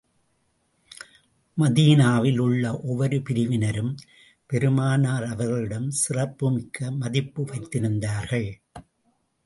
மதீனாவில் உள்ள ஒவ்வொரு பிரிவினரும், பெருமானார் அவர்களிடம் சிறப்பு மிக்க மதிப்பு வைத்திருந்தார்கள்.